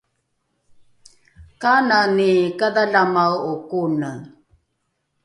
kanani kadhalamae’o kone?